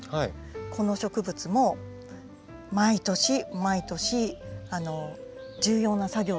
この植物も毎年毎年重要な作業があるんですよ。